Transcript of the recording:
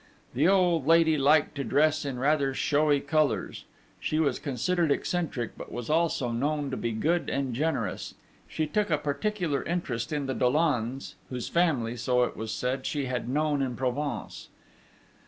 The old lady liked to dress in rather showy colours; she was considered eccentric, but was also known to be good and generous. She took a particular interest in the Dollons, whose family, so it was said, she had known in Provence.